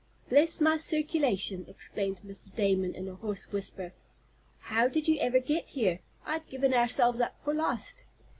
"Bless my circulation!" exclaimed Mr. Damon, in a hoarse whisper. "How did you ever get here. I'd given ourselves up for lost."